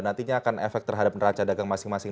nantinya akan efek terhadap neraca dagang masing masing